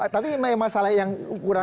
tapi memang masalah yang kurang